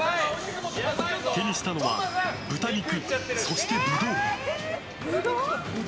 手にしたのは豚肉、そしてブドウ。